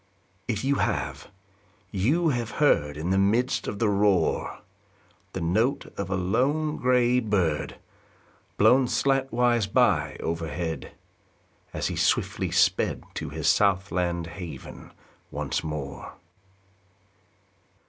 If you have, you have heard In the midst of the roar, The note of a lone gray bird, Blown slantwise by overhead As he swiftly sped To his south land haven once more